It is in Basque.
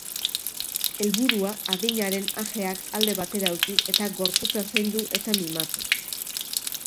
Helburua, adinaren ajeak alde batera utzi eta gorputza zaindu eta mimatu.